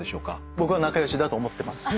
僕は仲良しだと思ってます。